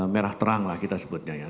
merah terang lah kita sebutnya ya